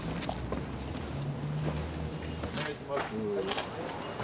お願いします。